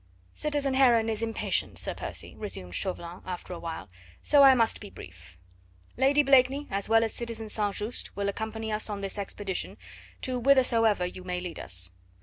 "Citizen Heron is impatient, Sir Percy," resumed Chauvelin after a while, "so I must be brief. Lady Blakeney, as well as citizen St. Just, will accompany us on this expedition to whithersoever you may lead us.